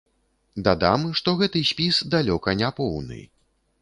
Дадам, што гэты спіс далёка не поўны.